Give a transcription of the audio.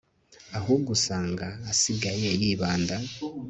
ahubwo usanga asigaye yibanda